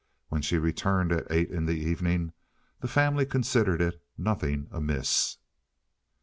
When she returned at eight in the evening the family considered it nothing amiss.